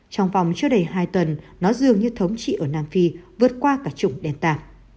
trong vòng trước đầy hai tuần nó dường như thống trị ở nam phi vượt qua cả chủng delta